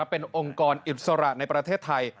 เป็นองค์กรอิสระในประเทศไทย